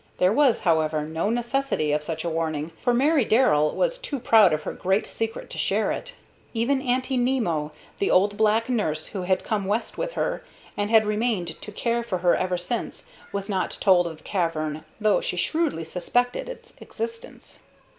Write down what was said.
There was, however, no necessity of such a warning, for Mary Darrell was too proud of her great secret to share it. Even Aunty Nimmo, the old black nurse who had come West with her, and had remained to care for her ever since, was not told of the cavern, though she shrewdly suspected its existence.